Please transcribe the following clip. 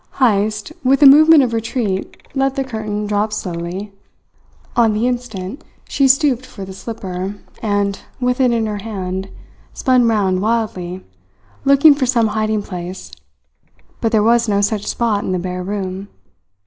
Heyst, with a movement of retreat, let the curtain drop slowly. On the instant she stooped for the slipper, and, with it in her hand, spun round wildly, looking for some hiding place; but there was no such spot in the bare room.